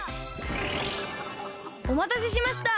おまたせしました！